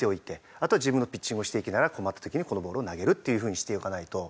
あとは自分のピッチングをしていきながら困った時にはこのボールを投げるっていう風にしておかないと。